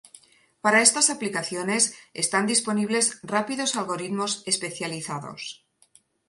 Para estas aplicaciones están disponibles rápidos algoritmos especializados.